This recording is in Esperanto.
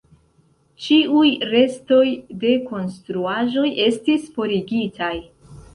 Ĉiuj restoj de konstruaĵoj estis forigitaj.